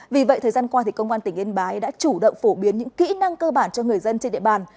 vì vậy thời gian qua công an tỉnh yên bái đã chủ động phổ biến những kỹ năng cơ bản cho người dân trên địa bàn